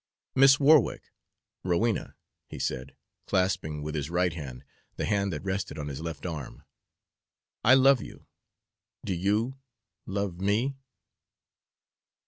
"Miss Warwick Rowena," he said, clasping with his right hand the hand that rested on his left arm, "I love you! Do you love me?"